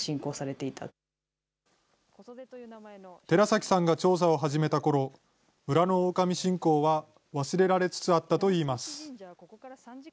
寺崎さんが調査を始めたころ、村のオオカミ信仰は、忘れられつつあったといいます。